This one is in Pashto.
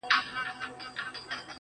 دادی اوس هم کومه، بيا کومه، بيا کومه.